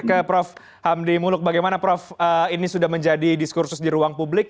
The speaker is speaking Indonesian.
menurut bagaimana prof ini sudah menjadi diskursus di ruang publik